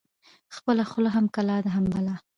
خپله خوله هم کلا ده، هم بلا